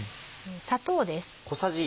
砂糖です。